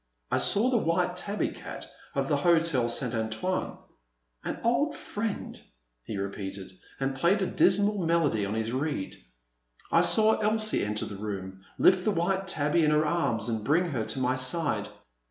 I saw the white tabby cat of the Hotel St. Antoine. An old friend," he repeated, and played a dis mal melody on his reed. I saw Elsie enter the room, lift the white tabby in her arms and bring her to my side.